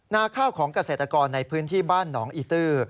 นาข้าวของเกษตรกรในพื้นที่บ้านหนองอีตื้อ